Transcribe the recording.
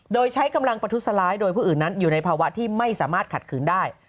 โดยใช้กำลังประทุษร้ายโดยผู้อื่นนั้นอยู่ในภาวะที่ไม่สามารถขัดขืนได้